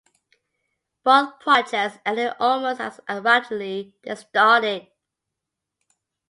Both projects ended almost as abruptly they started.